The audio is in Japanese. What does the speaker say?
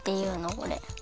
これ。